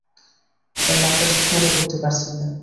তার নামটা ঠিক মনে করতে পারছি না।